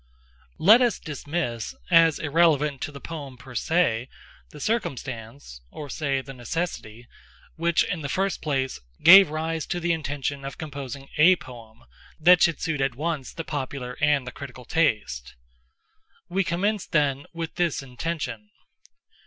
Let us dismiss, as irrelevant to the poem, per se, the circumstance—or say the necessity—which, in the first place, gave rise to the intention of composing a poem that should suit at once the popular and the critical taste. We commence, then, with this intention.